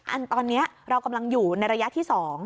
อันนี้เรากำลังอยู่ในระยะที่๒